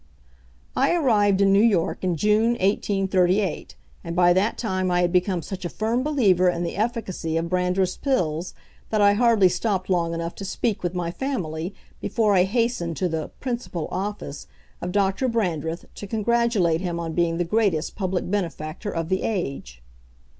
I arrived in New York in June 1838, and by that time I had become such a firm believer in the efficacy of Brandreth's Pills, that I hardly stopped long enough to speak with my family, before I hastened to the "principal office" of Doctor Brandreth to congratulate him on being the greatest public benefactor of the age.